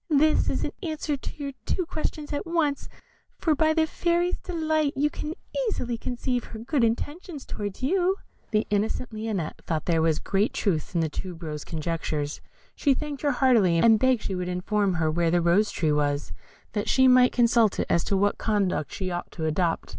This is an answer to your two questions at once, for by the Fairy's delight you can easily conceive her good intentions towards you." The innocent Lionette thought there was great truth in the tube rose's conjectures; she thanked her heartily, and begged she would inform her where the Rose tree was, that she might consult it as to what conduct she ought to adopt.